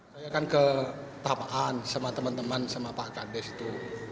saya akan ke tempatan sama teman teman sama pak kandes itu